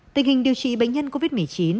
tình hình điều trị bệnh nhân covid một mươi chín